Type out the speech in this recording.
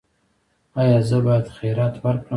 ایا زه باید خیرات ورکړم؟